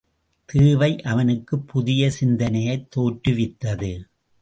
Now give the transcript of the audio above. தேவை அவனுக்குப் புதிய சிந்தனையைத் தோற்றுவித்தது.